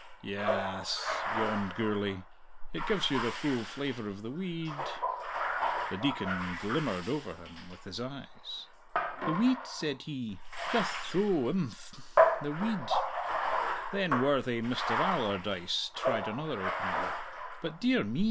"Ya as," yawned Gourlay; "it gives you the full flavour of the we eed." The Deacon glimmered over him with his eyes. "The weed," said he. "Jutht tho! Imphm. The weed." Then worthy Mister Allardyce tried another opening. "But, dear me!"